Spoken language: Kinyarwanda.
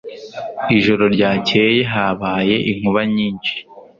Ijoro ryakeye habaye inkuba nyinshi.